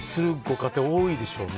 家庭多いでしょうね。